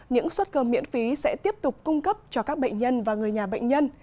những suất cơm miễn phí sẽ tiếp tục cung cấp cho các bệnh nhân và người nhà bệnh nhân